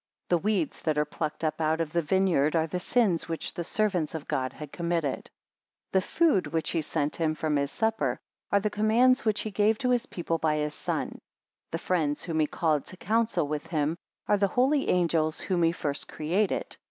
The weeds that are plucked up out of the vineyard, are the sins which the servants of God had committed. 47 The food which he sent him from his supper, are the commands which he gave to his people by his Son. The friends whom he called to counsel with him, are the holy angels whom he first created.